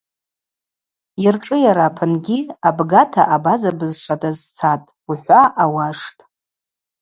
Йыршӏыйара апынгьи абгата абаза бызшва дазцатӏ – ухӏва ауаштӏ.